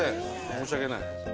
申し訳ない。